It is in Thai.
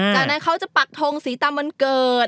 จากนั้นเขาจะปักทงสีตามวันเกิด